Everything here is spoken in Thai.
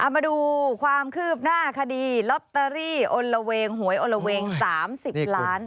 มาดูความคืบหน้าคดีลอตเตอรี่อนละเวงหวยอลละเวง๓๐ล้าน